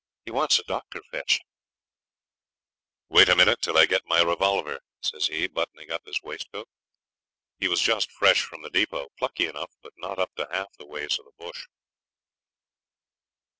He wants a doctor fetched.' 'Wait a minute till I get my revolver,' says he, buttoning up his waistcoat. He was just fresh from the depot; plucky enough, but not up to half the ways of the bush.